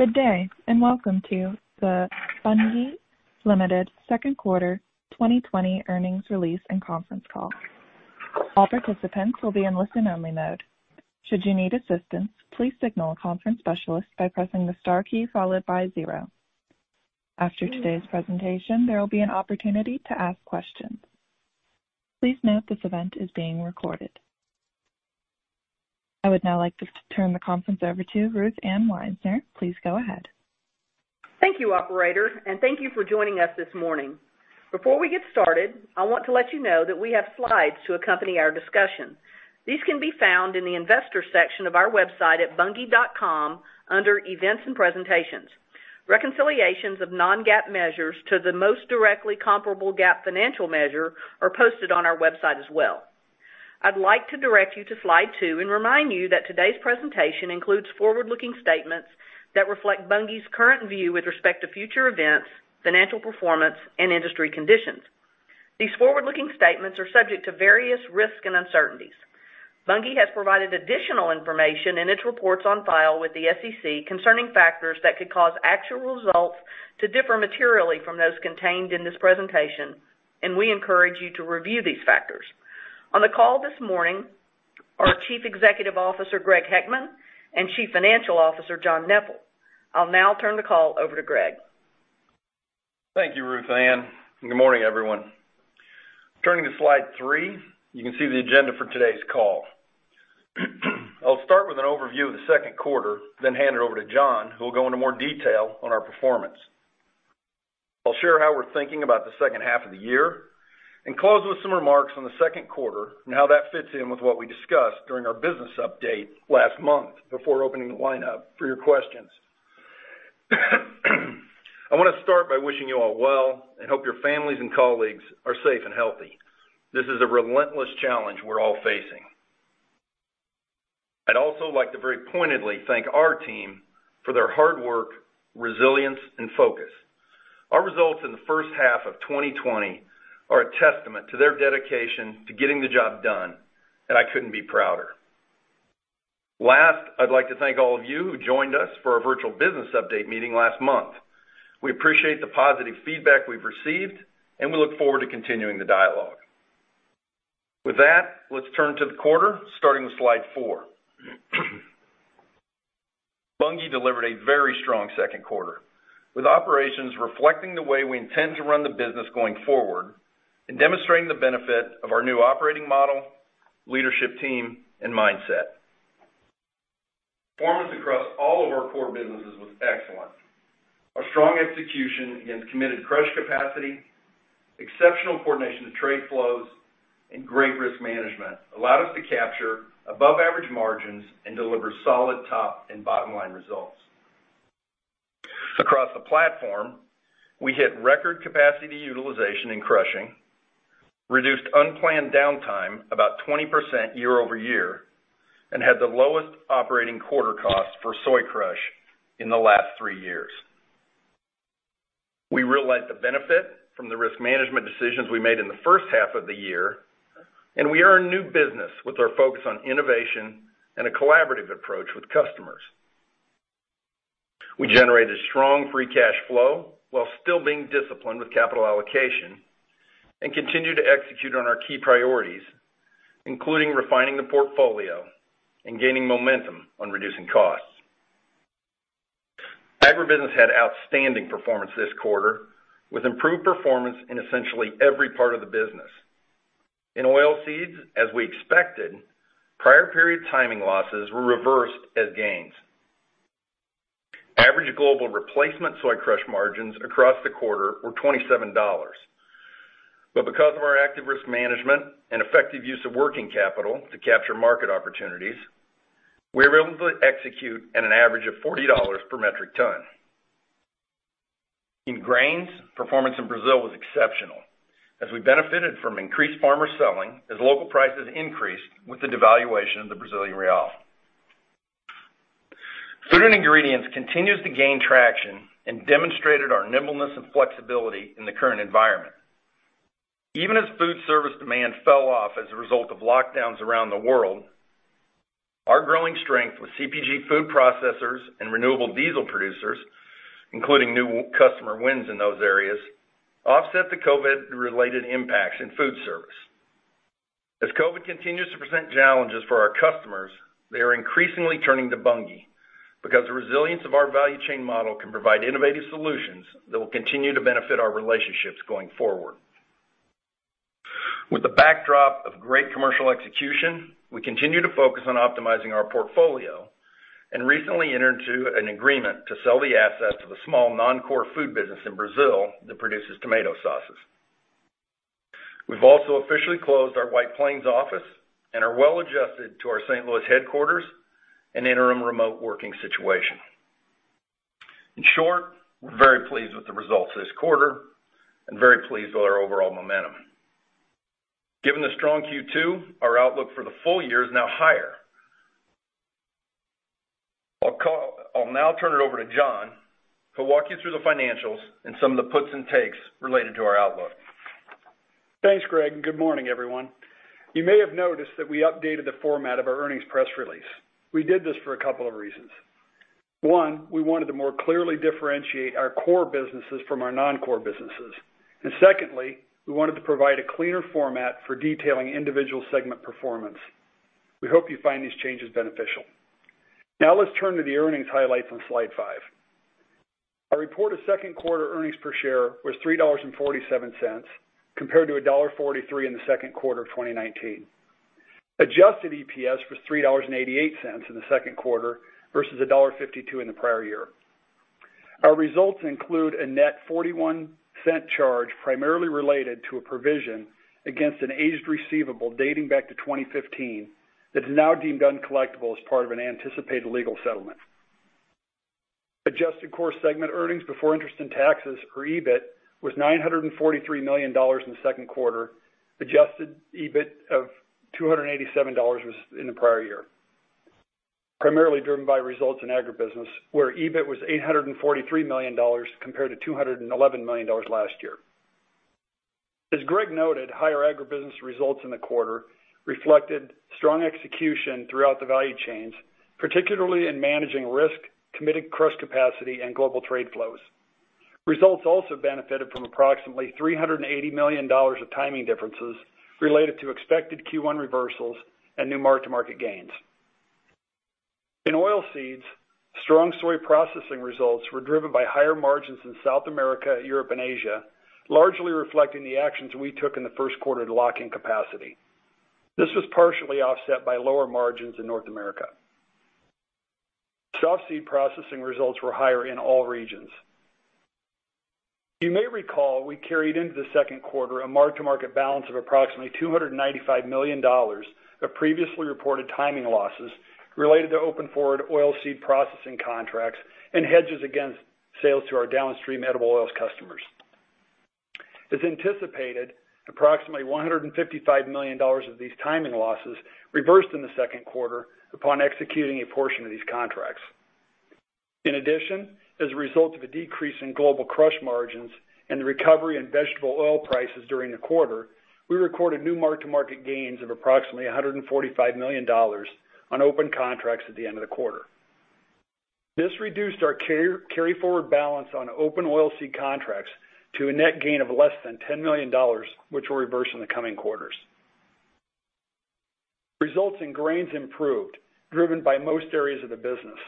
Good day, and welcome to the Bunge Limited second quarter 2020 earnings release and conference call. All participants will be in listen-only mode. Should you need assistance, please signal a conference specialist by pressing the star key followed by zero. After today's presentation, there will be an opportunity to ask questions. Please note this event is being recorded. I would now like to turn the conference over to Ruth Ann Wisener. Please go ahead. Thank you, operator, and thank you for joining us this morning. Before we get started, I want to let you know that we have slides to accompany our discussion. These can be found in the investor section of our website at bunge.com under Events and Presentations. Reconciliations of non-GAAP measures to the most directly comparable GAAP financial measure are posted on our website as well. I'd like to direct you to slide two and remind you that today's presentation includes forward-looking statements that reflect Bunge's current view with respect to future events, financial performance, and industry conditions. These forward-looking statements are subject to various risks and uncertainties. Bunge has provided additional information in its reports on file with the SEC concerning factors that could cause actual results to differ materially from those contained in this presentation, and we encourage you to review these factors. On the call this morning are Chief Executive Officer Greg Heckman and Chief Financial Officer John Neppl. I'll now turn the call over to Greg. Thank you, Ruth Ann, and good morning, everyone. Turning to slide three, you can see the agenda for today's call. I'll start with an overview of the second quarter, then hand it over to John, who will go into more detail on our performance. I'll share how we're thinking about the second half of the year and close with some remarks on the second quarter and how that fits in with what we discussed during our business update last month before opening the line up for your questions. I want to start by wishing you all well and hope your families and colleagues are safe and healthy. This is a relentless challenge we're all facing. I'd also like to very pointedly thank our team for their hard work, resilience, and focus. Our results in the first half of 2020 are a testament to their dedication to getting the job done, and I couldn't be prouder. Last, I'd like to thank all of you who joined us for our virtual business update meeting last month. We appreciate the positive feedback we've received, and we look forward to continuing the dialogue. With that, let's turn to the quarter, starting with slide four. Bunge delivered a very strong second quarter, with operations reflecting the way we intend to run the business going forward and demonstrating the benefit of our new operating model, leadership team, and mindset. Performance across all of our core businesses was excellent. Our strong execution against committed crush capacity, exceptional coordination of trade flows, and great risk management allowed us to capture above-average margins and deliver solid top and bottom-line results. Across the platform, we hit record capacity utilization in crushing, reduced unplanned downtime about 20% year-over-year, and had the lowest operating quarter cost for soy crush in the last three years. We realized the benefit from the risk management decisions we made in the first half of the year, and we earned new business with our focus on innovation and a collaborative approach with customers. We generated strong free cash flow while still being disciplined with capital allocation and continue to execute on our key priorities, including refining the portfolio and gaining momentum on reducing costs. Agribusiness had outstanding performance this quarter with improved performance in essentially every part of the business. In oilseeds, as we expected, prior period timing losses were reversed as gains. Average global replacement soy crush margins across the quarter were $27. Because of our active risk management and effective use of working capital to capture market opportunities, we were able to execute at an average of $40 per metric ton. In grains, performance in Brazil was exceptional as we benefited from increased farmer selling as local prices increased with the devaluation of the Brazilian real. Food and ingredients continues to gain traction and demonstrated our nimbleness and flexibility in the current environment. Even as food service demand fell off as a result of lockdowns around the world, our growing strength with CPG food processors and renewable diesel producers, including new customer wins in those areas, offset the COVID-related impacts in food service. As COVID continues to present challenges for our customers, they are increasingly turning to Bunge because the resilience of our value chain model can provide innovative solutions that will continue to benefit our relationships going forward. With the backdrop of great commercial execution, we continue to focus on optimizing our portfolio and recently entered into an agreement to sell the assets of a small non-core food business in Brazil that produces tomato sauces. We've also officially closed our White Plains office and are well-adjusted to our St. Louis headquarters and interim remote working situation. In short, we're very pleased with the results this Q2 and very pleased with our overall momentum. Given the strong Q2, our outlook for the full year is now higher. I'll now turn it over to John, who'll walk you through the financials and some of the puts and takes related to our outlook. Thanks, Greg. Good morning, everyone. You may have noticed that we updated the format of our earnings press release. We did this for a couple of reasons. One, we wanted to more clearly differentiate our core businesses from our non-core businesses. Secondly, we wanted to provide a cleaner format for detailing individual segment performance. We hope you find these changes beneficial. Now let's turn to the earnings highlights on slide five. Our reported second quarter earnings per share was $3.47 compared to $1.43 in the second quarter of 2019. Adjusted EPS was $3.88 in the second quarter versus $1.52 in the prior year. Our results include a net $0.41 charge, primarily related to a provision against an aged receivable dating back to 2015 that is now deemed uncollectible as part of an anticipated legal settlement. Adjusted core segment earnings before interest and taxes, or EBIT, was $943 million in the second quarter. Adjusted EBIT of $287 was in the prior year, primarily driven by results in agribusiness, where EBIT was $843 million compared to $211 million last year. As Greg noted, higher agribusiness results in the quarter reflected strong execution throughout the value chains, particularly in managing risk, committed crush capacity, and global trade flows. Results also benefited from approximately $380 million of timing differences related to expected Q1 reversals and new mark-to-market gains. In oilseeds, strong soy processing results were driven by higher margins in South America, Europe, and Asia, largely reflecting the actions we took in the first quarter to lock in capacity. This was partially offset by lower margins in North America. Softseed processing results were higher in all regions. You may recall we carried into the second quarter a mark-to-market balance of approximately $295 million of previously reported timing losses related to open forward oilseed processing contracts and hedges against sales to our downstream edible oils customers. As anticipated, approximately $155 million of these timing losses reversed in the second quarter upon executing a portion of these contracts. In addition, as a result of a decrease in global crush margins and the recovery in vegetable oil prices during the quarter, we recorded new mark-to-market gains of approximately $145 million on open contracts at the end of the quarter. This reduced our carry-forward balance on open oilseed contracts to a net gain of less than $10 million, which will reverse in the coming quarters. Results in grains improved, driven by most areas of the business.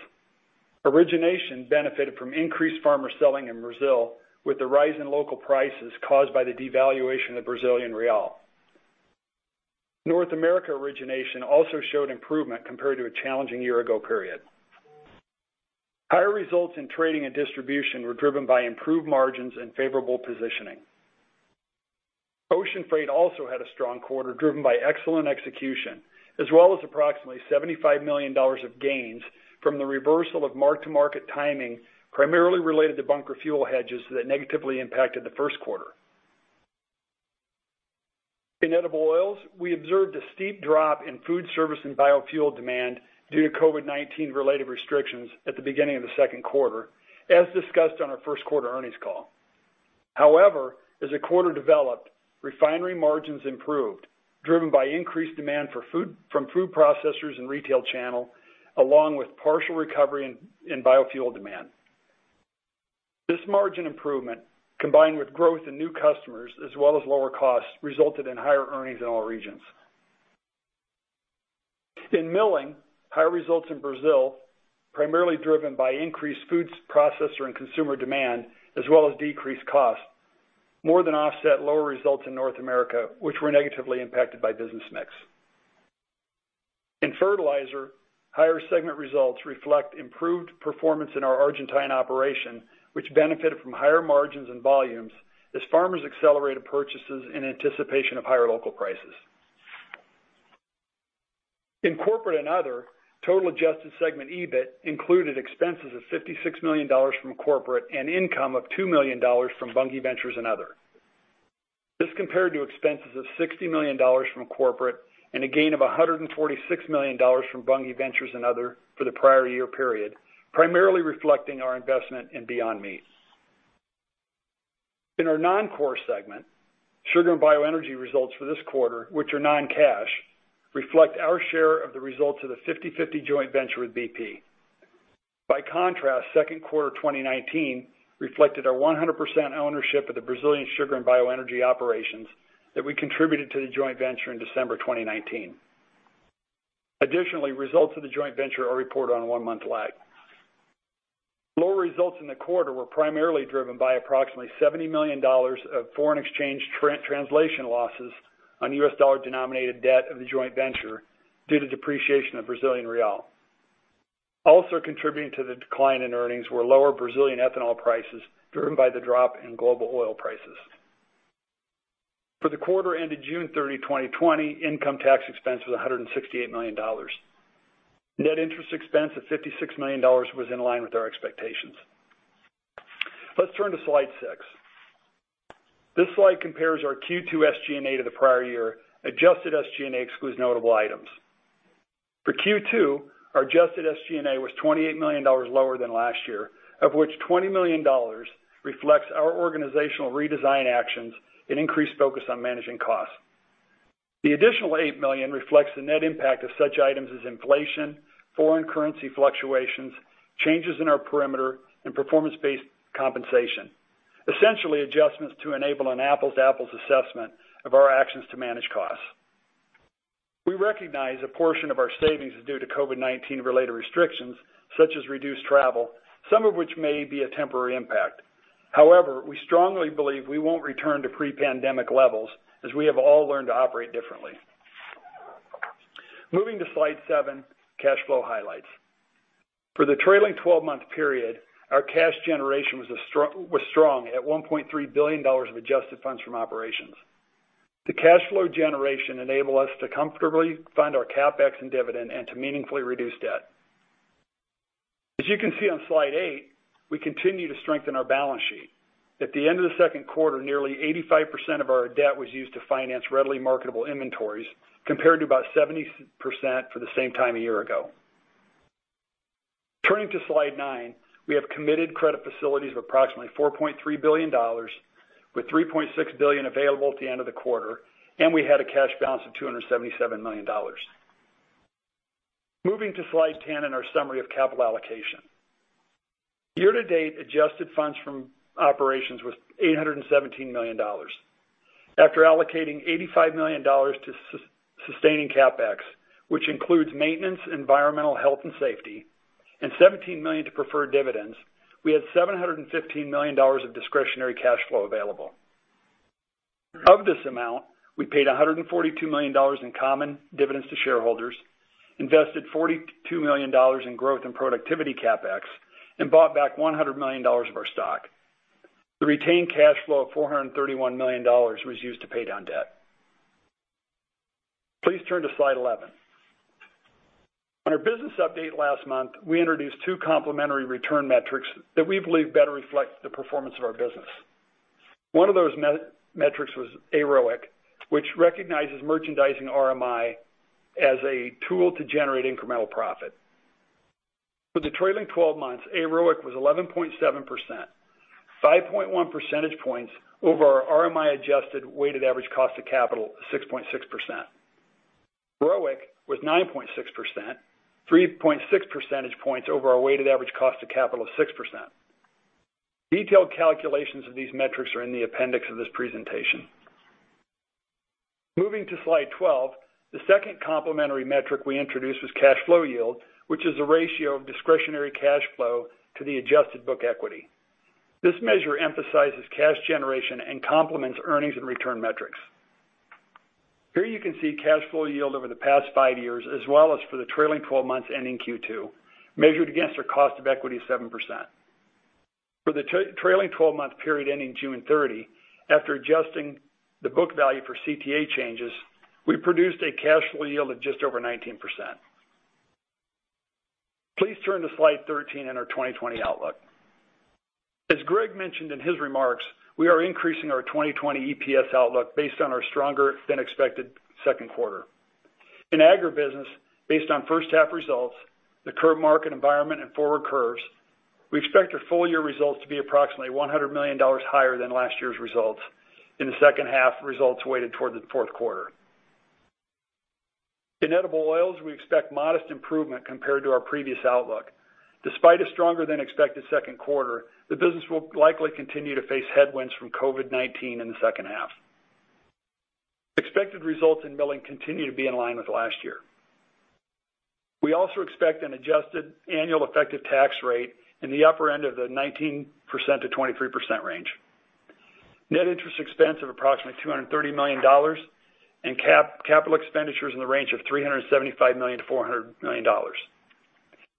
Origination benefited from increased farmer selling in Brazil with the rise in local prices caused by the devaluation of the Brazilian real. North America origination also showed improvement compared to a challenging year ago period. Higher results in trading and distribution were driven by improved margins and favorable positioning. Ocean freight also had a strong quarter, driven by excellent execution, as well as approximately $75 million of gains from the reversal of mark-to-market timing, primarily related to bunker fuel hedges that negatively impacted the first quarter. In edible oils, we observed a steep drop in food service and biofuel demand due to COVID-19-related restrictions at the beginning of the second quarter, as discussed on our first quarter earnings call. As the quarter developed, refinery margins improved, driven by increased demand from food processors and retail channel, along with partial recovery in biofuel demand. This margin improvement, combined with growth in new customers as well as lower costs, resulted in higher earnings in all regions. In milling, higher results in Brazil, primarily driven by increased foods processor and consumer demand, as well as decreased costs, more than offset lower results in North America, which were negatively impacted by business mix. In fertilizer, higher segment results reflect improved performance in our Argentine operation, which benefited from higher margins and volumes as farmers accelerated purchases in anticipation of higher local prices. In corporate and other, total adjusted segment EBIT included expenses of $56 million from corporate and income of $2 million from Bunge Ventures and other. This compared to expenses of $60 million from corporate and a gain of $146 million from Bunge Ventures and other for the prior year period, primarily reflecting our investment in Beyond Meat. In our non-core segment, sugar and bioenergy results for this quarter, which are non-cash, reflect our share of the results of the 50/50 joint venture with BP. By contrast, second quarter 2019 reflected our 100% ownership of the Brazilian sugar and bioenergy operations that we contributed to the joint venture in December 2019. Additionally, results of the joint venture are reported on a one-month lag. Lower results in the quarter were primarily driven by $70 million of foreign exchange translation losses on US dollar-denominated debt of the joint venture due to depreciation of Brazilian real. Also contributing to the decline in earnings were lower Brazilian ethanol prices driven by the drop in global oil prices. For the quarter ended June 30, 2020, income tax expense was $168 million. Net interest expense of $56 million was in line with our expectations. Let's turn to slide six. This slide compares our Q2 SG&A to the prior year. Adjusted SG&A excludes notable items. For Q2, our adjusted SG&A was $28 million lower than last year, of which $20 million reflects our organizational redesign actions and increased focus on managing costs. The additional $8 million reflects the net impact of such items as inflation, foreign currency fluctuations, changes in our perimeter, and performance-based compensation. Essentially, adjustments to enable an apples to apples assessment of our actions to manage costs. We recognize a portion of our savings is due to COVID-19 related restrictions such as reduced travel, some of which may be a temporary impact. However, we strongly believe we won't return to pre-pandemic levels as we have all learned to operate differently. Moving to slide seven, cash flow highlights. For the trailing 12-month period, our cash generation was strong at $1.3 billion of adjusted funds from operations. The cash flow generation enable us to comfortably fund our CapEx and dividend and to meaningfully reduce debt. As you can see on slide eight, we continue to strengthen our balance sheet. At the end of the second quarter, nearly 85% of our debt was used to finance readily marketable inventories, compared to about 70% for the same time a year ago. Turning to slide nine, we have committed credit facilities of approximately $4.3 billion, with $3.6 billion available at the end of the quarter, and we had a cash balance of $277 million. Moving to slide 10 and our summary of capital allocation. Year to date, adjusted funds from operations was $817 million. After allocating $85 million to sustaining CapEx, which includes maintenance, environmental health and safety, and $17 million to preferred dividends, we had $715 million of discretionary cash flow available. Of this amount, we paid $142 million in common dividends to shareholders, invested $42 million in growth and productivity CapEx, and bought back $100 million of our stock. The retained cash flow of $431 million was used to pay down debt. Please turn to slide 11. On our business update last month, we introduced two complementary return metrics that we believe better reflect the performance of our business. One of those metrics was AROIC, which recognizes merchandising RMI as a tool to generate incremental profit. For the trailing 12 months, AROIC was 11.7%, 5.1 percentage points over our RMI-adjusted weighted average cost of capital of 6.6%. ROIC was 9.6%, 3.6 percentage points over our weighted average cost of capital of 6%. Detailed calculations of these metrics are in the appendix of this presentation. Moving to slide 12, the second complementary metric we introduced was cash flow yield, which is the ratio of discretionary cash flow to the adjusted book equity. This measure emphasizes cash generation and complements earnings and return metrics. Here you can see cash flow yield over the past five years as well as for the trailing 12 months ending Q2, measured against our cost of equity of 7%. For the trailing 12-month period ending June 30, after adjusting the book value for CTA changes, we produced a cash flow yield of just over 19%. Please turn to slide 13 and our 2020 outlook. As Greg mentioned in his remarks, we are increasing our 2020 EPS outlook based on our stronger than expected second quarter. In agribusiness, based on first half results, the current market environment and forward curves, we expect our full year results to be approximately $100 million higher than last year's results, in the second half results weighted toward the fourth quarter. In edible oils, we expect modest improvement compared to our previous outlook. Despite a stronger than expected second quarter, the business will likely continue to face headwinds from COVID-19 in the second half. Expected results in milling continue to be in line with last year. We also expect an adjusted annual effective tax rate in the upper end of the 19%-23% range, net interest expense of approximately $230 million, and capital expenditures in the range of $375 million-$400 million,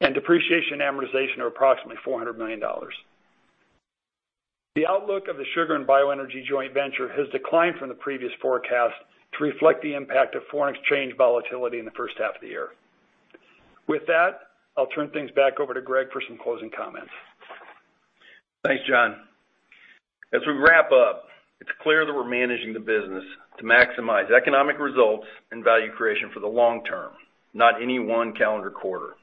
and depreciation and amortization of approximately $400 million. The outlook of the sugar and bioenergy joint venture has declined from the previous forecast to reflect the impact of foreign exchange volatility in the first half of the year. With that, I'll turn things back over to Greg for some closing comments. Thanks, John. As we wrap up, it's clear that we're managing the business to maximize economic results and value creation for the long term, not any one calendar quarter.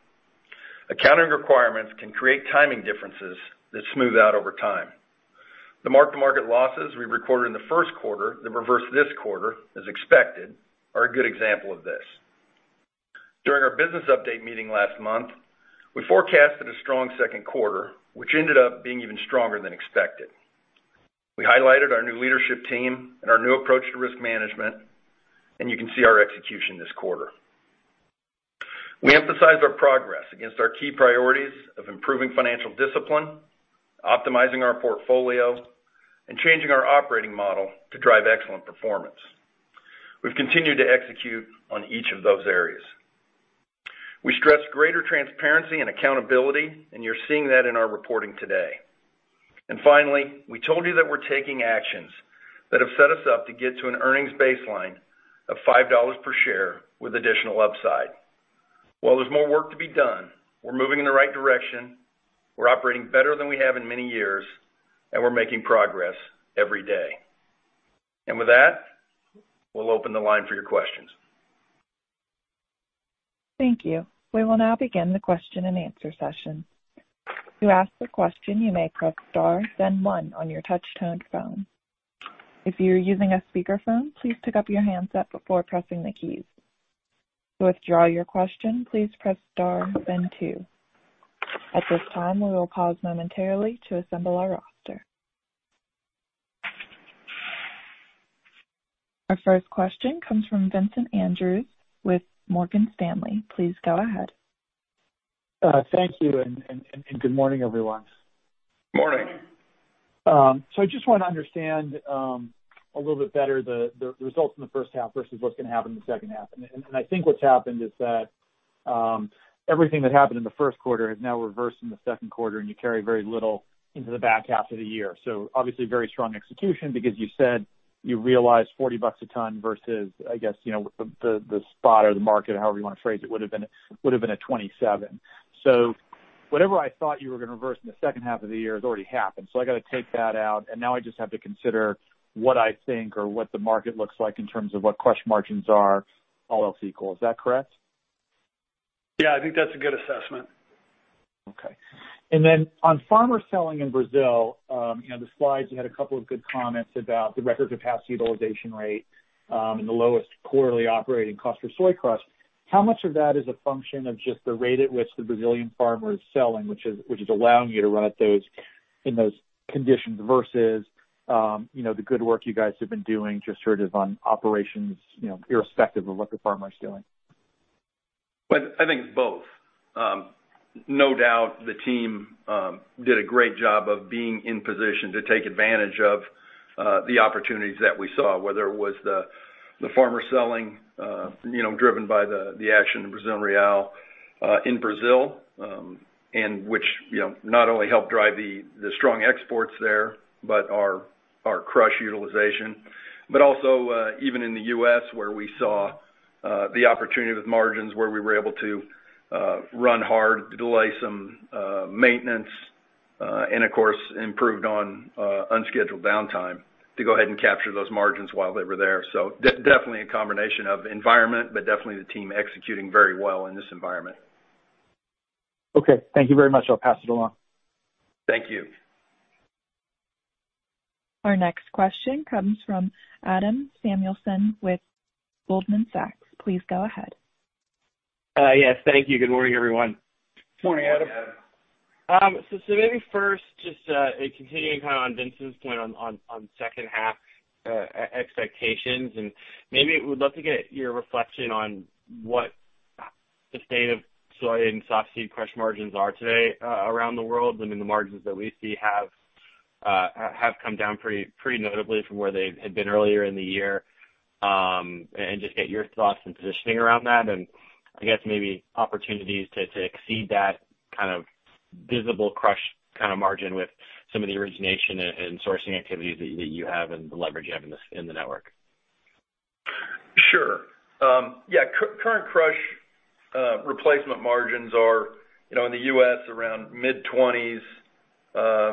Accounting requirements can create timing differences that smooth out over time. The mark-to-market losses we recorded in the first quarter that reversed this quarter, as expected, are a good example of this. During our business update meeting last month, we forecasted a strong second quarter, which ended up being even stronger than expected. We highlighted our new leadership team and our new approach to risk management. You can see our execution this quarter. We emphasized our progress against our key priorities of improving financial discipline, optimizing our portfolio, and changing our operating model to drive excellent performance. We've continued to execute on each of those areas. We stressed greater transparency and accountability. You're seeing that in our reporting today. Finally, we told you that we're taking actions that have set us up to get to an earnings baseline of $5 per share with additional upside. While there's more work to be done, we're moving in the right direction, we're operating better than we have in many years, and we're making progress every day. With that, we'll open the line for your questions. Thank you. We will now begin the question-and-answer session. To ask the question, you may press star then one on your touchtone phone. If you're using a speakerphone, please pick up your handset before pressing the keys. To withdraw your question, please press star then two. At this time, we will pause momentarily to assemble our roster. Our first question comes from Vincent Andrews with Morgan Stanley. Please go ahead. Thank you, and good morning, everyone. Morning. I just want to understand a little bit better the results in the first half versus what's going to happen in the second half. I think what's happened is that everything that happened in the first quarter is now reversed in the second quarter, and you carry very little into the back half of the year. Obviously very strong execution because you said you realized $40 a ton versus, I guess, the spot or the market, however you want to phrase it, would have been at $27. Whatever I thought you were going to reverse in the second half of the year has already happened. I got to take that out and now I just have to consider what I think or what the market looks like in terms of what crush margins are, all else equal. Is that correct? Yeah, I think that's a good assessment. Okay. On farmer selling in Brazil, the slides, you had a couple of good comments about the record capacity utilization rate, and the lowest quarterly operating cost for soy crush. How much of that is a function of just the rate at which the Brazilian farmer is selling, which is allowing you to run up those in those conditions versus the good work you guys have been doing just sort of on operations, irrespective of what the farmer is doing? I think it's both. No doubt the team did a great job of being in position to take advantage of the opportunities that we saw, whether it was the farmer selling driven by the action in Brazilian real in Brazil, and which not only helped drive the strong exports there, but our crush utilization. Also even in the U.S. where we saw the opportunity with margins where we were able to run hard, delay some maintenance, and of course, improved on unscheduled downtime to go ahead and capture those margins while they were there. Definitely a combination of environment, but definitely the team executing very well in this environment. Okay. Thank you very much. I'll pass it along. Thank you. Our next question comes from Adam Samuelson with Goldman Sachs. Please go ahead. Yes, thank you. Good morning, everyone. Morning, Adam. Morning, Adam. Maybe first, just continuing kind of on Vincent's point on second half expectations, would love to get your reflection on what the state of soy and soft seed crush margins are today around the world. I mean, the margins that we see have come down pretty notably from where they had been earlier in the year. Just get your thoughts and positioning around that, and I guess maybe opportunities to exceed that kind of visible crush kind of margin with some of the origination and sourcing activities that you have and the leverage you have in the network. Sure. Yeah, current crush replacement margins are in the U.S. around mid-20s,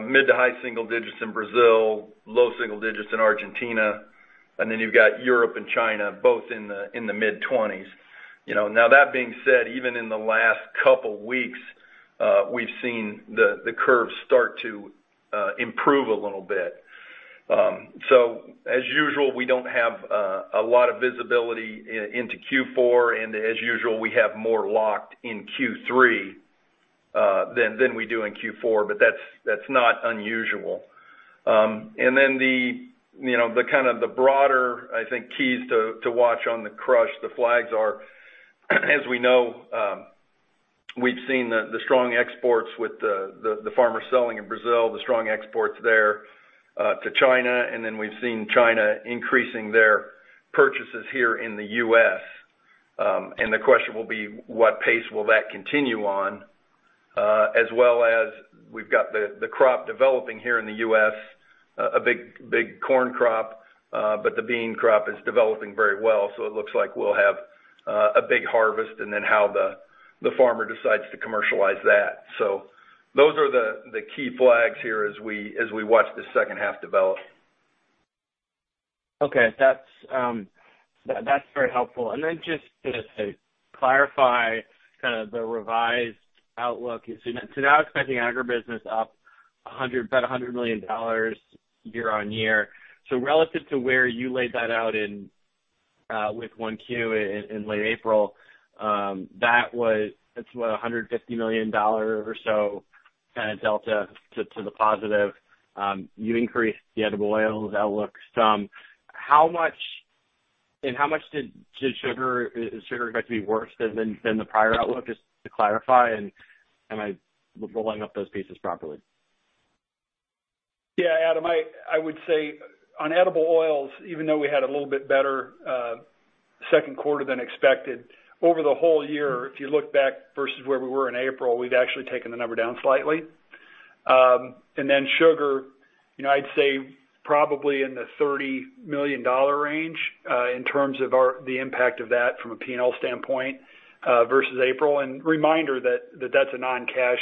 mid-to-high single digits in Brazil, low single digits in Argentina. You've got Europe and China both in the mid-20s. That being said, even in the last couple weeks, we've seen the curve start to improve a little bit. As usual, we don't have a lot of visibility into Q4, and as usual, we have more locked in Q3, than we do in Q4, but that's not unusual. The kind of the broader, I think, keys to watch on the crush, the flags are, as we know, we've seen the strong exports with the farmer selling in Brazil, the strong exports there to China, and then we've seen China increasing their purchases here in the U.S. The question will be, what pace will that continue on? As well as we've got the crop developing here in the U.S., a big corn crop, but the bean crop is developing very well, so it looks like we'll have a big harvest and then how the farmer decides to commercialize that. Those are the key flags here as we watch this second half develop. Okay. That's very helpful. Just to clarify kind of the revised outlook. Now expecting agribusiness up about $100 million year-on-year. Relative to where you laid that out in with 1Q in late April, that's what, $150 million or so kind of delta to the positive. You increased the edible oils outlook some. How much is sugar going to be worse than the prior outlook? Just to clarify, am I rolling up those pieces properly? Yeah, Adam, I would say on edible oils, even though we had a little bit better second quarter than expected, over the whole year, if you look back versus where we were in April, we've actually taken the number down slightly. Sugar, I'd say probably in the $30 million range. In terms of the impact of that from a P&L standpoint versus April, and reminder that that's a non-cash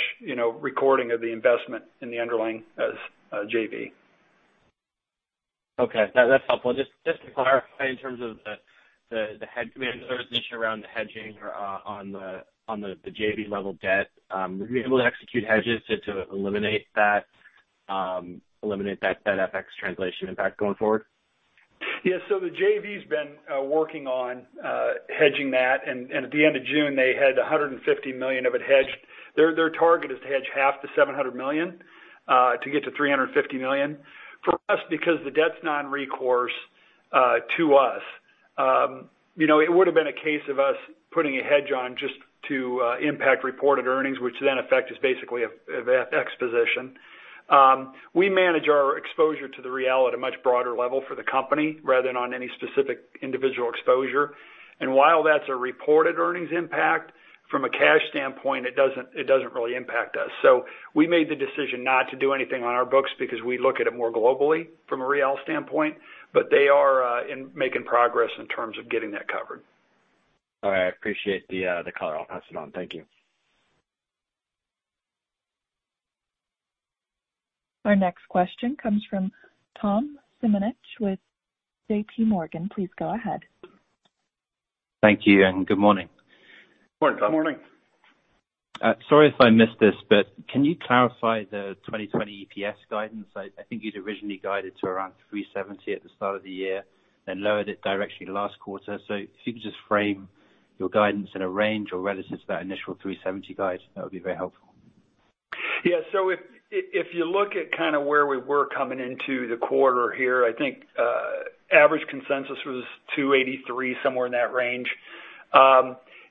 recording of the investment in the underlying JV. Okay. No, that's helpful. Just to clarify in terms of the hedge, there was an issue around the hedging on the JV level debt. Would you be able to execute hedges to eliminate that FX translation impact going forward? The JV's been working on hedging that. At the end of June, they had $150 million of it hedged. Their target is to hedge half the $700 million to get to $350 million. For us, because the debt's non-recourse to us, it would've been a case of us putting a hedge on just to impact reported earnings, which then affect just basically of FX position. We manage our exposure to the Brazilian real at a much broader level for the company rather than on any specific individual exposure. While that's a reported earnings impact, from a cash standpoint, it doesn't really impact us. We made the decision not to do anything on our books because we look at it more globally from a Brazilian real standpoint, but they are making progress in terms of getting that covered. All right. I appreciate the color. I'll pass it on. Thank you. Our next question comes from Thomas Simonitsch with JPMorgan. Please go ahead. Thank you, and good morning. Morning, Tom. Morning. Sorry if I missed this, can you clarify the 2020 EPS guidance? I think you'd originally guided to around $3.70 at the start of the year, then lowered it directionally last quarter. If you could just frame your guidance in a range or relative to that initial $3.70 guide, that would be very helpful. If you look at kind of where we were coming into the quarter here, I think average consensus was 283, somewhere in that range.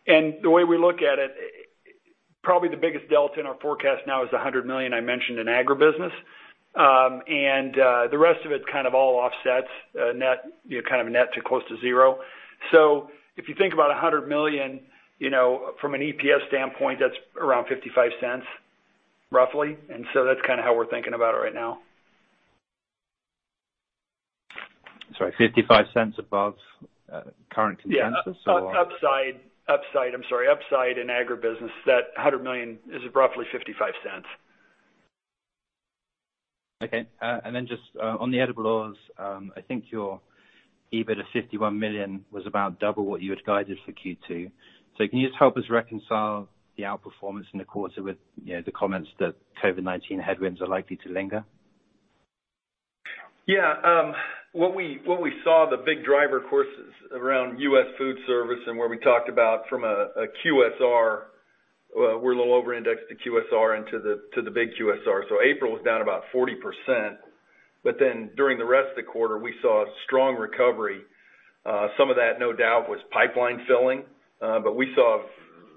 The way we look at it, probably the biggest delta in our forecast now is $100 million, I mentioned in Agribusiness. The rest of it kind of all offsets net to close to zero. If you think about $100 million, from an EPS standpoint, that's around $0.55, roughly. That's kind of how we're thinking about it right now. Sorry, $0.55 above current consensus? Yeah. Upside, I'm sorry. Upside in agribusiness. That $100 million is roughly $0.55. Okay. Just on the edibles, I think your EBIT of $51 million was about double what you had guided for Q2. Can you just help us reconcile the outperformance in the quarter with the comments that COVID-19 headwinds are likely to linger? Yeah. What we saw, the big driver, of course, is around U.S. food service and where we talked about from a QSR, we're a little over-indexed to QSR and to the big QSR. April was down about 40%, but then during the rest of the quarter, we saw a strong recovery. Some of that, no doubt, was pipeline filling. We saw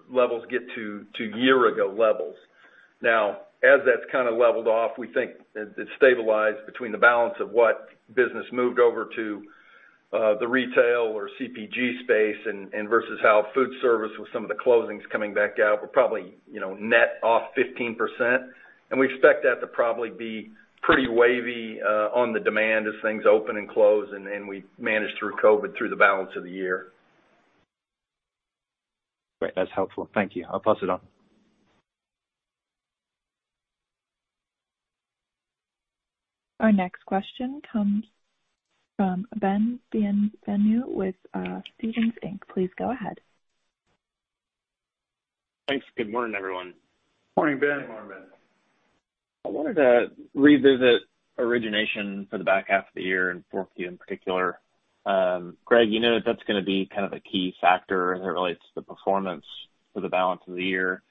levels get to year-ago levels. Now, as that's kind of leveled off, we think it stabilized between the balance of what business moved over to the retail or CPG space and versus how food service with some of the closings coming back out, we're probably net off 15%. We expect that to probably be pretty wavy on the demand as things open and close, and we manage through COVID through the balance of the year. Great. That's helpful. Thank you. I'll pass it on. Our next question comes from Ben Bienvenu with Stephens Inc. Please go ahead. Thanks. Good morning, everyone. Morning, Ben. Morning, Ben. I wanted to revisit origination for the back half of the year and fourth Q in particular. Greg Heckman, you know that's going to be kind of a key factor as it relates to the performance for the balance of the year.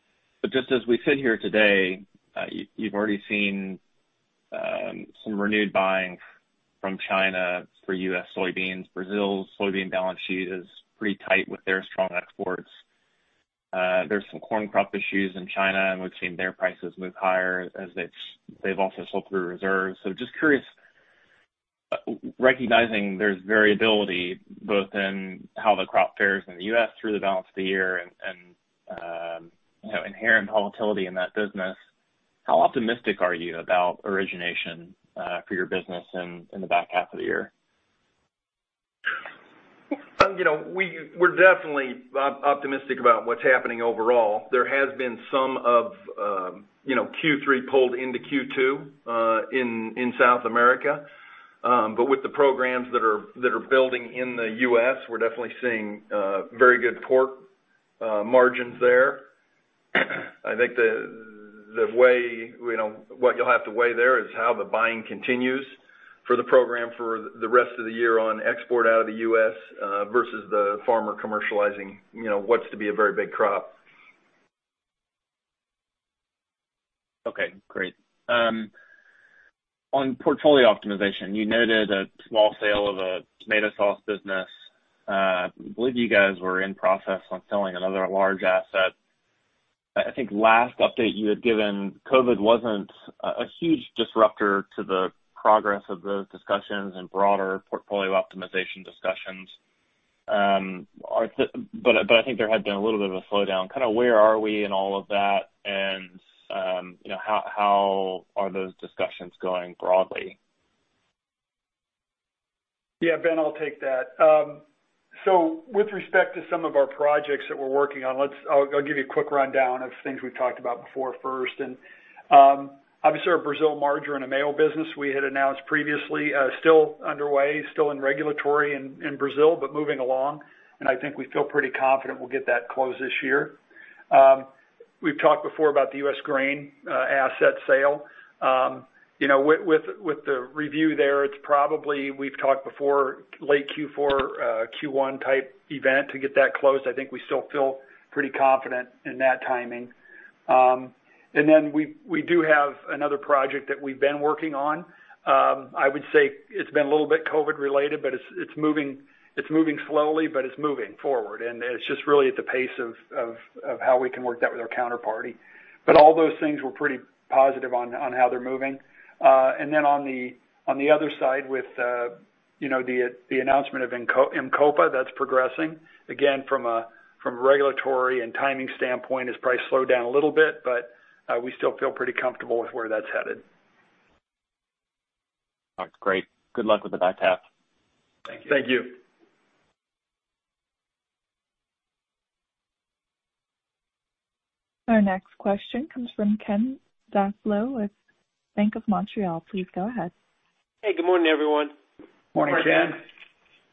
Just as we sit here today, you've already seen some renewed buying from China for U.S. soybeans. Brazil's soybean balance sheet is pretty tight with their strong exports. There's some corn crop issues in China, and we've seen their prices move higher as they've also sold through reserves. Just curious, recognizing there's variability both in how the crop fares in the U.S. through the balance of the year and inherent volatility in that business, how optimistic are you about origination for your business in the back half of the year? We're definitely optimistic about what's happening overall. There has been some of Q3 pulled into Q2 in South America. With the programs that are building in the U.S., we're definitely seeing very good pork margins there. I think what you'll have to weigh there is how the buying continues for the program for the rest of the year on export out of the U.S. versus the farmer commercializing what's to be a very big crop. Okay, great. On portfolio optimization, you noted a small sale of a tomato sauce business. I believe you guys were in process on selling another large asset. I think last update you had given, COVID wasn't a huge disruptor to the progress of those discussions and broader portfolio optimization discussions. I think there had been a little bit of a slowdown. Where are we in all of that and how are those discussions going broadly? Ben, I'll take that. With respect to some of our projects that we're working on, I'll give you a quick rundown of things we've talked about before first. Obviously, our Brazil merger and the mayo business we had announced previously are still underway, still in regulatory in Brazil, but moving along. I think we feel pretty confident we'll get that closed this year. We've talked before about the U.S. grain asset sale. With the review there, it's probably, we've talked before, late Q4, Q1 type event to get that closed. I think we still feel pretty confident in that timing. We do have another project that we've been working on. I would say it's been a little bit COVID-related, but it's moving slowly, but it's moving forward, and it's just really at the pace of how we can work that with our counterparty. All those things we're pretty positive on how they're moving. On the other side with the announcement of Imcopa, that's progressing. From a regulatory and timing standpoint, it's probably slowed down a little bit, but we still feel pretty comfortable with where that's headed. All right, great. Good luck with the back half. Thank you. Our next question comes from Ken Zaslow with Bank of Montreal. Please go ahead. Hey, good morning, everyone. Morning, Ken. Morning, Ken.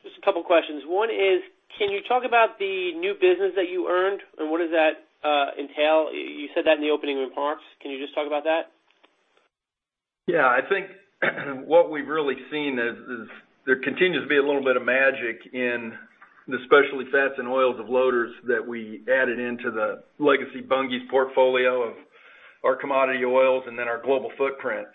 Just a couple of questions. One is, can you talk about the new business that you earned and what does that entail? You said that in the opening remarks. Can you just talk about that? I think what we've really seen is there continues to be a little bit of magic in the specialty fats and oils of Loders that we added into the legacy Bunge's portfolio of our commodity oils and then our global footprint.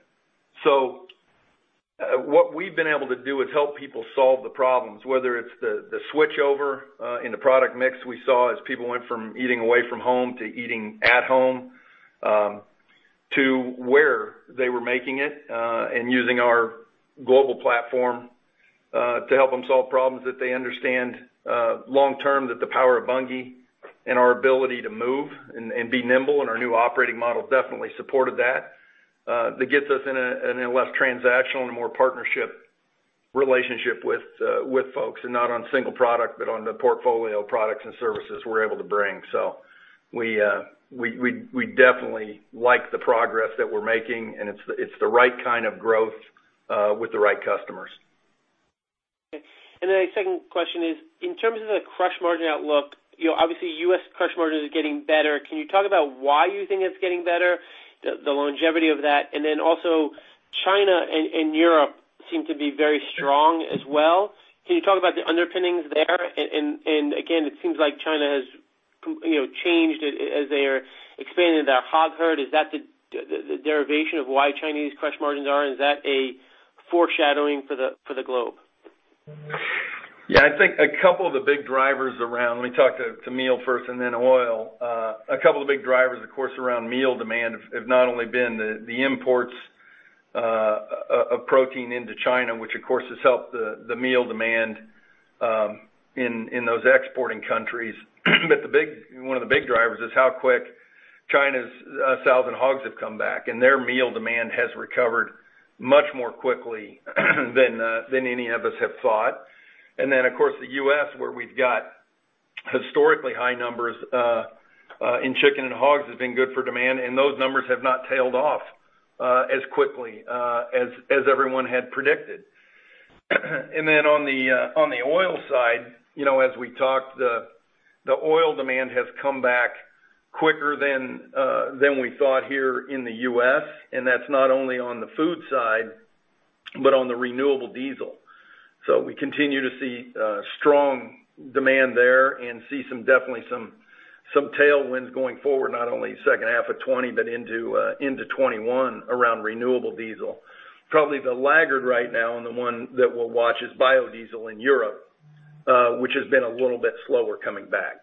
What we've been able to do is help people solve the problems, whether it's the switchover in the product mix we saw as people went from eating away from home to eating at home, to where they were making it, and using our global platform to help them solve problems that they understand long term, that the power of Bunge and our ability to move and be nimble and our new operating model definitely supported that. That gets us in a less transactional and a more partnership relationship with folks and not on single product, but on the portfolio of products and services we're able to bring. We definitely like the progress that we're making, and it's the right kind of growth with the right customers. Okay. A second question is, in terms of the crush margin outlook, obviously U.S. crush margins are getting better. Can you talk about why you think it's getting better, the longevity of that? Also China and Europe seem to be very strong as well. Can you talk about the underpinnings there? Again, it seems like China has changed as they are expanding their hog herd. Is that the derivation of why Chinese crush margins are? Is that a foreshadowing for the globe? Yeah, I think a couple of the big drivers around, let me talk to meal first and then oil. A couple of big drivers, of course, around meal demand have not only been the imports of protein into China, which of course has helped the meal demand in those exporting countries. One of the big drivers is how quick China's sales of hogs have come back, and their meal demand has recovered much more quickly than any of us have thought. Of course, the U.S., where we've got historically high numbers in chicken and hogs has been good for demand, and those numbers have not tailed off as quickly as everyone had predicted. On the oil side, as we talked, the oil demand has come back quicker than we thought here in the U.S., and that's not only on the food side, but on the renewable diesel. We continue to see strong demand there and see definitely some tailwinds going forward, not only second half of 2020, but into 2021 around renewable diesel. Probably the laggard right now and the one that we'll watch is biodiesel in Europe, which has been a little bit slower coming back.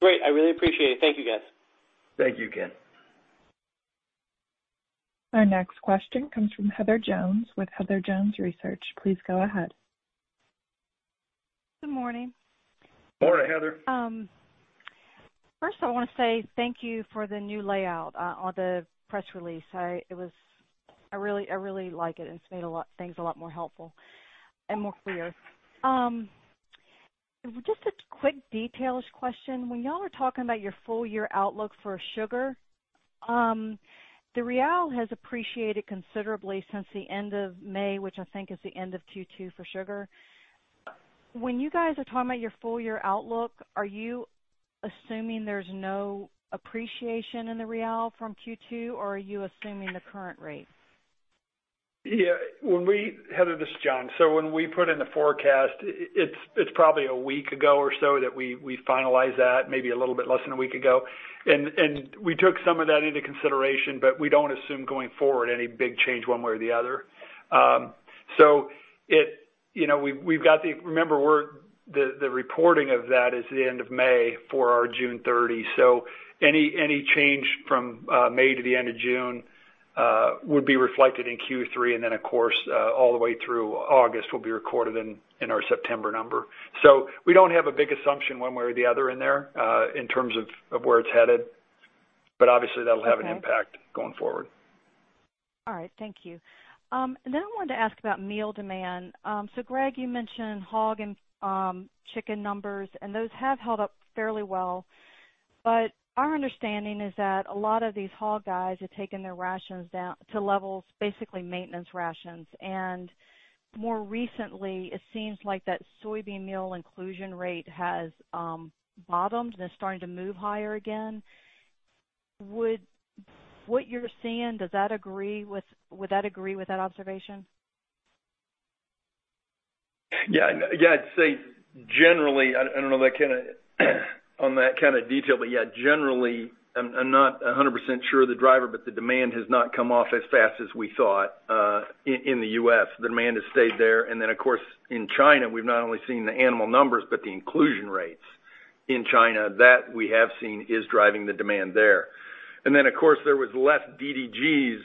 Great. I really appreciate it. Thank you, guys. Thank you, Ken. Our next question comes from Heather Jones with Heather Jones Research. Please go ahead. Good morning. Morning, Heather. First, I want to say thank you for the new layout on the press release. I really like it, and it's made things a lot more helpful and more clear. Just a quick details question. When y'all are talking about your full-year outlook for sugar, the Real has appreciated considerably since the end of May, which I think is the end of Q2 for sugar. When you guys are talking about your full-year outlook, are you assuming there's no appreciation in the Real from Q2, or are you assuming the current rate? Yeah. Heather, this is John. When we put in the forecast, it's probably a week ago or so that we finalized that, maybe a little bit less than a week ago. We took some of that into consideration, but we don't assume going forward any big change one way or the other. Remember, the reporting of that is the end of May for our June 30. Any change from May to the end of June would be reflected in Q3. Then, of course, all the way through August will be recorded in our September number. We don't have a big assumption one way or the other in there, in terms of where it's headed. Obviously that'll have an impact going forward. All right, thank you. Then I wanted to ask about meal demand. Greg, you mentioned hog and chicken numbers, and those have held up fairly well. Our understanding is that a lot of these hog guys have taken their rations down to levels, basically maintenance rations. More recently, it seems like that soybean meal inclusion rate has bottomed and is starting to move higher again. What you're seeing, would that agree with that observation? I'd say generally, I don't know on that kind of detail, but generally, I'm not 100% sure of the driver, but the demand has not come off as fast as we thought, in the U.S. The demand has stayed there. Then, of course, in China, we've not only seen the animal numbers, but the inclusion rates in China. That we have seen is driving the demand there. Then of course, there was less DDGs,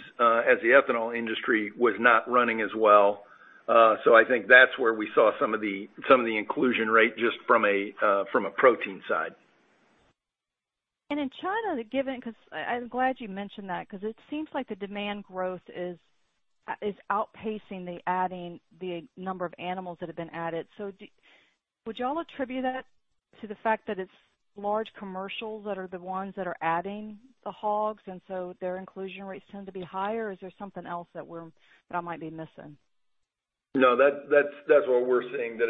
as the ethanol industry was not running as well. I think that's where we saw some of the inclusion rate just from a protein side. In China, I'm glad you mentioned that, because it seems like the demand growth is outpacing the adding the number of animals that have been added. Would you all attribute that to the fact that it's large commercials that are the ones that are adding the hogs, and so their inclusion rates tend to be higher, or is there something else that I might be missing? No, that's what we're seeing, that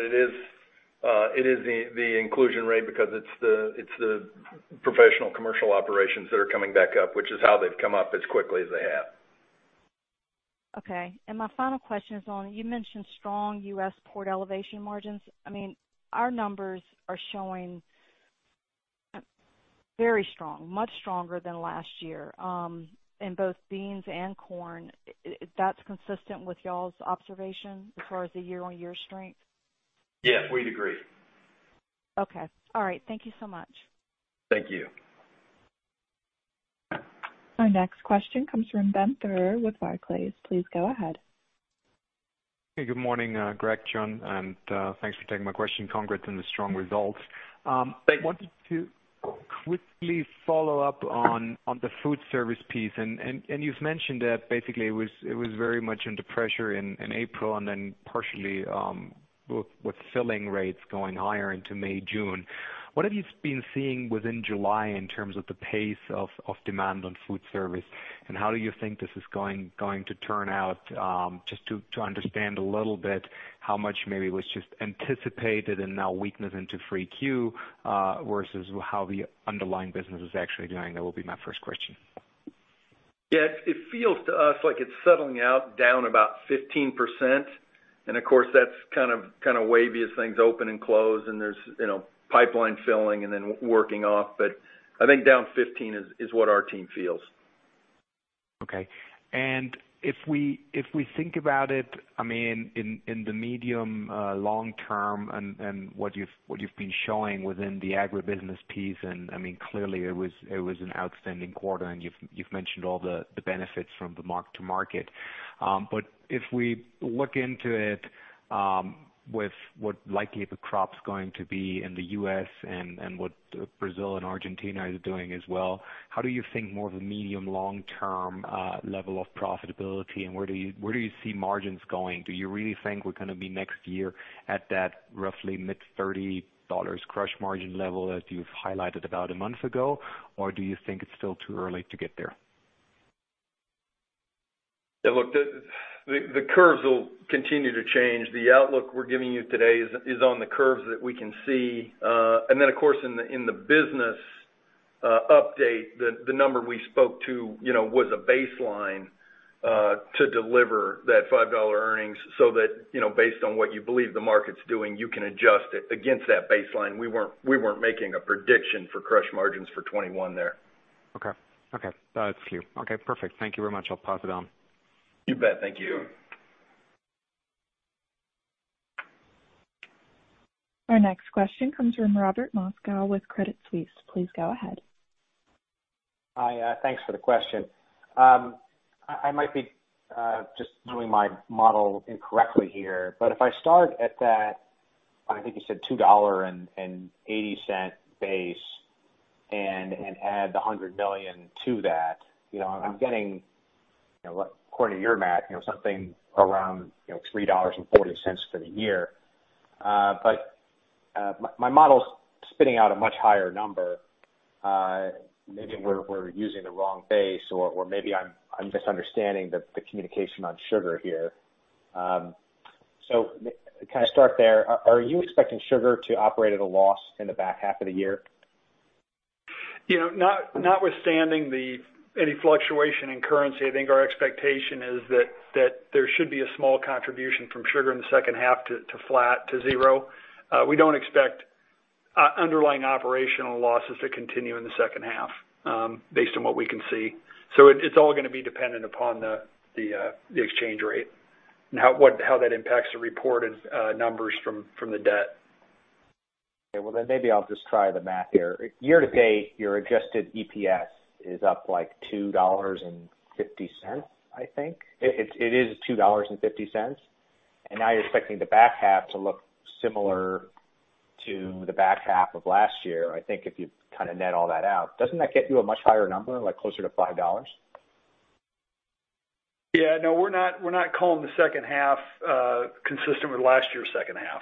it is the inclusion rate because it's the professional commercial operations that are coming back up, which is how they've come up as quickly as they have. Okay. My final question is on, you mentioned strong U.S. port elevation margins. Our numbers are showing very strong, much stronger than last year, in both beans and corn. That's consistent with y'all's observation as far as the year-on-year strength? Yes, we'd agree. Okay, all right. Thank you so much. Thank you. Our next question comes from Ben Theurer with Barclays. Please go ahead. Hey, good morning, Greg, John, and thanks for taking my question. Congrats on the strong results. I wanted to quickly follow up on the food service piece. You've mentioned that basically it was very much under pressure in April and then partially with filling rates going higher into May, June. What have you been seeing within July in terms of the pace of demand on food service, and how do you think this is going to turn out? Just to understand a little bit how much maybe was just anticipated and now weakness into 3Q, versus how the underlying business is actually doing. That will be my first question. Yeah. It feels to us like it's settling out down about 15%. Of course, that's kind of wavy as things open and close and there's pipeline filling and then working off. I think down 15 is what our team feels. Okay. If we think about it in the medium, long term and what you've been showing within the agribusiness piece, clearly it was an outstanding quarter and you've mentioned all the benefits from the mark-to-market. If we look into it with what likely the crop's going to be in the U.S. and what Brazil and Argentina is doing as well, how do you think more of a medium, long-term level of profitability and where do you see margins going? Do you really think we're going to be next year at that roughly mid-$30 crush margin level that you've highlighted about a month ago? Do you think it's still too early to get there? Look, the curves will continue to change. The outlook we're giving you today is on the curves that we can see. Then, of course, in the business update, the number we spoke to was a baseline to deliver that $5 earnings so that based on what you believe the market's doing, you can adjust it against that baseline. We weren't making a prediction for crush margins for 2021 there. Okay. That's clear. Okay, perfect. Thank you very much. I'll pass it on. You bet. Thank you. Our next question comes from Robert Moskow with Credit Suisse. Please go ahead. Hi. Thanks for the question. I might be just doing my model incorrectly here, but if I start at that, I think you said $2.80 base and add the $100 million to that, I'm getting according to your math, something around $3.40 for the year. My model's spitting out a much higher number. Maybe we're using the wrong base or maybe I'm misunderstanding the communication on sugar here. Can I start there? Are you expecting sugar to operate at a loss in the back half of the year? Notwithstanding any fluctuation in currency, I think our expectation is that there should be a small contribution from sugar in the second half to flat to zero. We don't expect underlying operational losses that continue in the second half, based on what we can see. It's all going to be dependent upon the exchange rate and how that impacts the reported numbers from the debt. Okay, well, maybe I'll just try the math here. Year to date, your adjusted EPS is up like $2.50, I think. It is $2.50. Now you're expecting the back half to look similar to the back half of last year, I think, if you net all that out. Doesn't that get you a much higher number, like closer to $5? Yeah, no, we're not calling the second half consistent with last year's second half.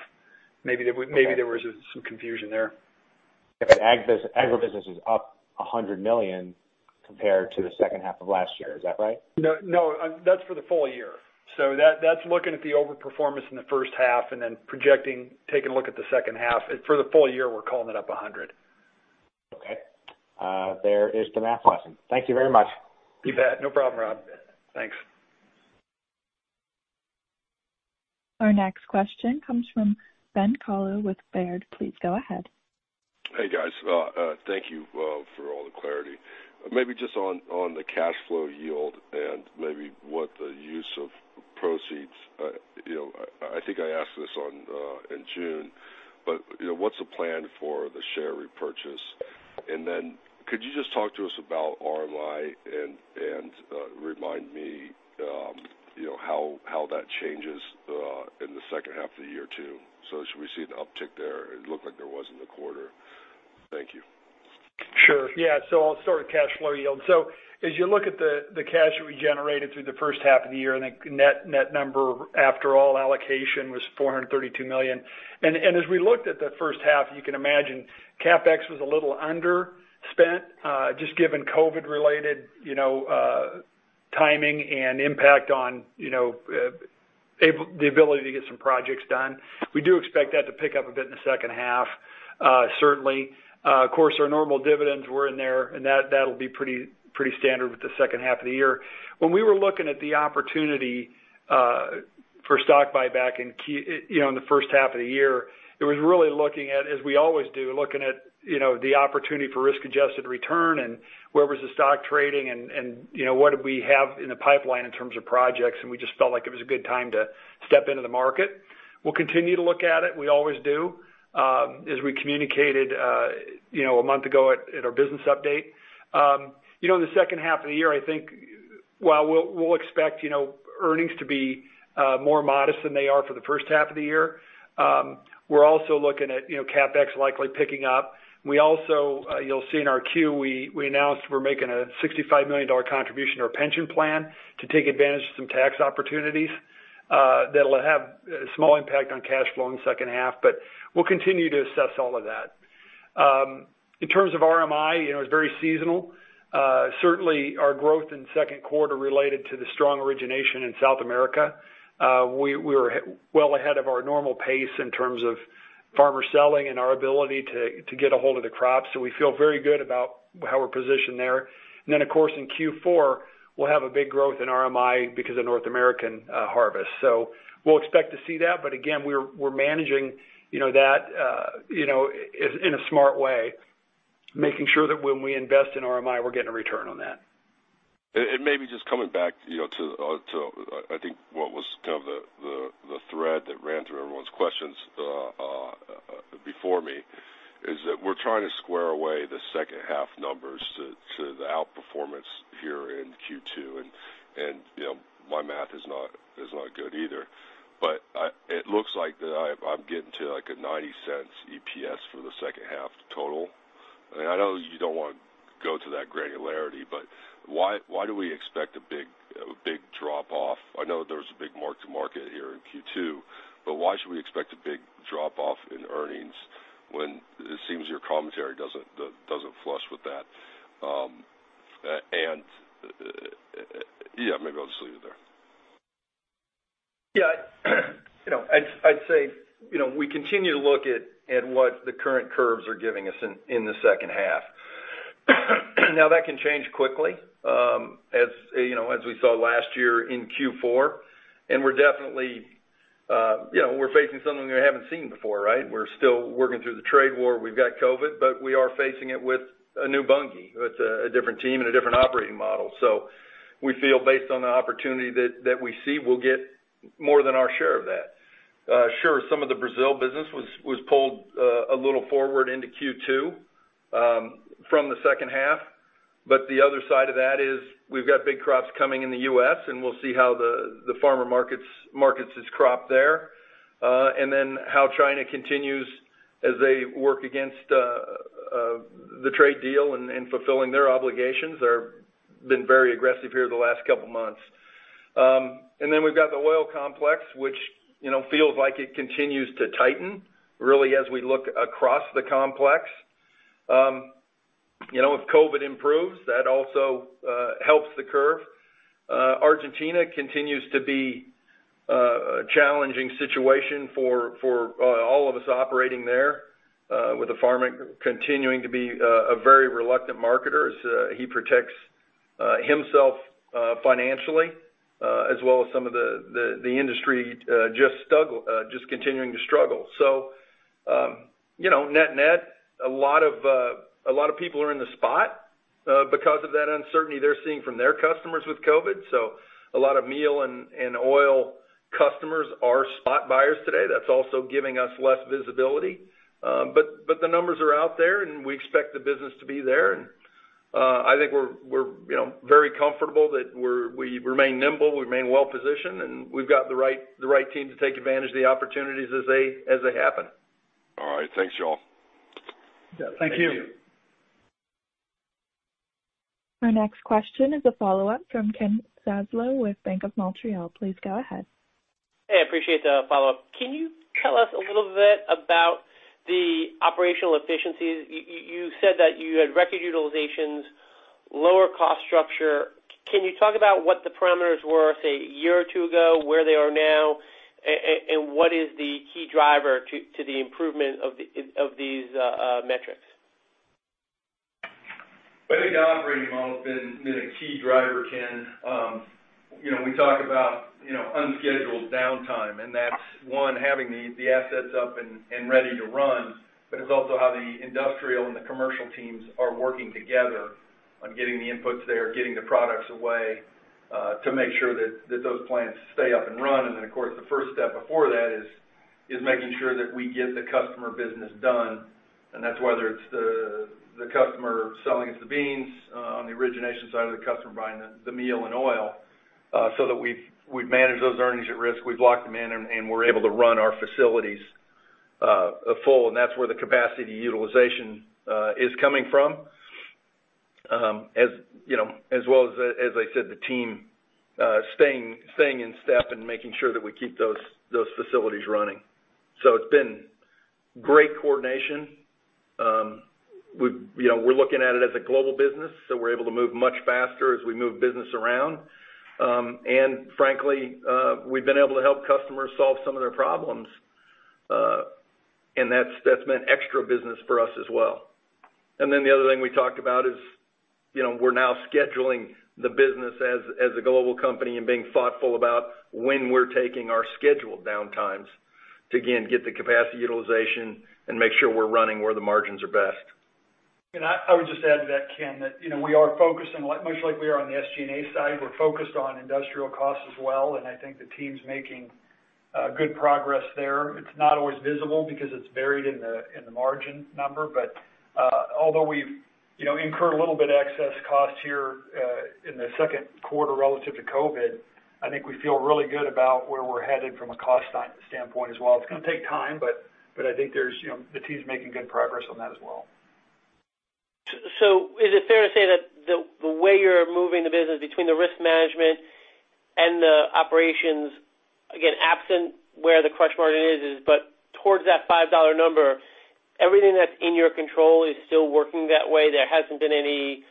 Maybe there was some confusion there. If agribusiness is up $100 million compared to the second half of last year, is that right? That's for the full year. That's looking at the over-performance in the first half and then projecting, taking a look at the second half. For the full year, we're calling it up $100. Okay. There is the math lesson. Thank you very much. You bet. No problem, Rob. Thanks. Our next question comes from Ben Kallo with Baird. Please go ahead. Hey, guys. Thank you for all the clarity. Maybe just on the cash flow yield and maybe what the use of proceeds. I think I asked this in June, what's the plan for the share repurchase? Could you just talk to us about RMI and remind me how that changes in the second half of the year, too? Should we see an uptick there? It looked like there was in the quarter. Thank you. Sure. Yeah. I'll start with cash flow yield. As you look at the cash that we generated through the first half of the year, the net number after all allocation was $432 million. As we looked at the first half, you can imagine, CapEx was a little underspent, just given COVID-related timing and impact on the ability to get some projects done. We do expect that to pick up a bit in the second half, certainly. Of course, our normal dividends were in there, and that'll be pretty standard with the second half of the year. When we were looking at the opportunity for stock buyback in the first half of the year, it was really looking at, as we always do, looking at the opportunity for risk-adjusted return and where was the stock trading and what did we have in the pipeline in terms of projects. We just felt like it was a good time to step into the market. We'll continue to look at it. We always do. As we communicated a month ago at our business update. The second half of the year, I think while we'll expect earnings to be more modest than they are for the first half of the year. We're also looking at CapEx likely picking up. We also, you'll see in our Q, we announced we're making a $65 million contribution to our pension plan to take advantage of some tax opportunities. That'll have a small impact on cash flow in the second half, but we'll continue to assess all of that. In terms of RMI, it's very seasonal. Certainly, our growth in the second quarter related to the strong origination in South America. We were well ahead of our normal pace in terms of farmer selling and our ability to get a hold of the crops. We feel very good about how we're positioned there. Of course, in Q4, we'll have a big growth in RMI because of North American harvest. We'll expect to see that. Again, we're managing that in a smart way, making sure that when we invest in RMI, we're getting a return on that. Maybe just coming back to, I think what was kind of the thread that ran through everyone's questions before me is that we're trying to square away the second half numbers to the outperformance here in Q2, and my math is not good either. It looks like that I'm getting to, like, a $0.90 EPS for the second half total. I know you don't want to go to that granularity, why do we expect a big drop-off? I know there was a big mark-to-market here in Q2, why should we expect a big drop-off in earnings when it seems your commentary doesn't flush with that? Yeah, maybe I'll just leave it there. Yeah, I'd say we continue to look at what the current curves are giving us in the second half. Now, that can change quickly, as we saw last year in Q4, and we're definitely facing something we haven't seen before, right? We're still working through the trade war. We've got COVID, but we are facing it with a new Bunge, with a different team and a different operating model. We feel based on the opportunity that we see, we'll get more than our share of that. Sure, some of the Brazil business was pulled a little forward into Q2 from the second half. The other side of that is we've got big crops coming in the U.S., and we'll see how the farmer markets his crop there, and then how China continues as they work against the trade deal and fulfilling their obligations. They've been very aggressive here the last couple of months. We've got the oil complex, which feels like it continues to tighten, really, as we look across the complex. If COVID improves, that also helps the curve. Argentina continues to be a challenging situation for all of us operating there, with the farmer continuing to be a very reluctant marketer as he protects. Himself financially, as well as some of the industry just continuing to struggle. Net-net, a lot of people are in the spot because of that uncertainty they're seeing from their customers with COVID. A lot of meal and oil customers are spot buyers today. That's also giving us less visibility. The numbers are out there, and we expect the business to be there. I think we're very comfortable that we remain nimble, we remain well-positioned, and we've got the right team to take advantage of the opportunities as they happen. All right. Thanks, y'all. Thank you. Our next question is a follow-up from Ken Zaslow with Bank of Montreal. Please go ahead. Hey, appreciate the follow-up. Can you tell us a little bit about the operational efficiencies? You said that you had record utilizations, lower cost structure. Can you talk about what the parameters were, say, a year or two ago, where they are now, and what is the key driver to the improvement of these metrics? I think the operating model has been a key driver, Ken. That's one, having the assets up and ready to run, but it's also how the industrial and the commercial teams are working together on getting the inputs there, getting the products away, to make sure that those plants stay up and running. Then, of course, the first step before that is making sure that we get the customer business done. That's whether it's the customer selling us the beans on the origination side or the customer buying the meal and oil, so that we've managed those earnings at risk, we've locked them in, and we're able to run our facilities full. That's where the capacity utilization is coming from. As well as, I said, the team staying in step and making sure that we keep those facilities running. It's been great coordination. We're looking at it as a global business, so we're able to move much faster as we move business around. Frankly, we've been able to help customers solve some of their problems. That's meant extra business for us as well. Then the other thing we talked about is we're now scheduling the business as a global company and being thoughtful about when we're taking our scheduled downtimes to, again, get the capacity utilization and make sure we're running where the margins are best. I would just add to that, Ken, that we are focusing, much like we are on the SG&A side, we're focused on industrial costs as well, I think the team's making good progress there. It's not always visible because it's buried in the margin number. Although we've incurred a little bit of excess cost here in the second quarter relative to COVID, I think we feel really good about where we're headed from a cost standpoint as well. It's going to take time, but I think the team's making good progress on that as well. Is it fair to say that the way you're moving the business between the risk management and the operations, again, absent where the crush margin is, but towards that $5 number, everything that's in your control is still working that way? There hasn't been any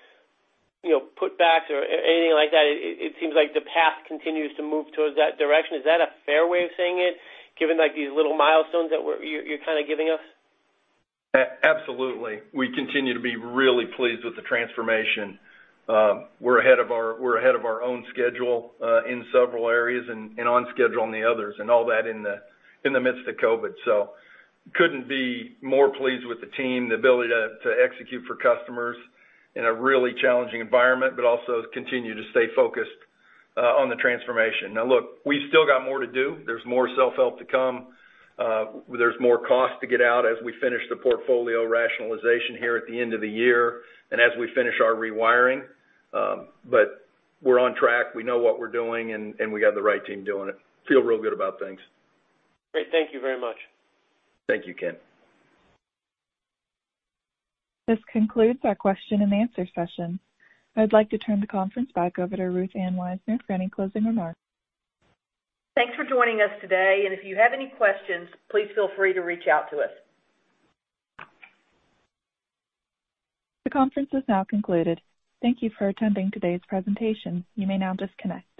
put backs or anything like that? It seems like the path continues to move towards that direction. Is that a fair way of saying it, given these little milestones that you're kind of giving us? Absolutely. We continue to be really pleased with the transformation. We're ahead of our own schedule in several areas and on schedule in the others and all that in the midst of COVID. Couldn't be more pleased with the team, the ability to execute for customers in a really challenging environment, but also continue to stay focused on the transformation. Look, we still got more to do. There's more self-help to come. There's more cost to get out as we finish the portfolio rationalization here at the end of the year and as we finish our rewiring. We're on track. We know what we're doing, and we got the right team doing it. Feel real good about things. Great. Thank you very much. Thank you, Ken. This concludes our question-and-answer session. I'd like to turn the conference back over to Ruth Ann Wisener for any closing remarks. Thanks for joining us today, and if you have any questions, please feel free to reach out to us. The conference is now concluded. Thank you for attending today's presentation. You may now disconnect.